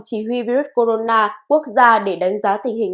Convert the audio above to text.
chỉ huy virus corona quốc gia để đánh giá tình hình